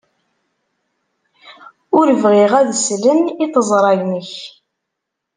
Ur bɣiɣ ad sleɣ i teẓra-inek.